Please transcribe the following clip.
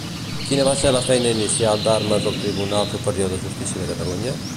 Quina va ser la feina inicial d'Armas al Tribunal Superior de Justícia de Catalunya?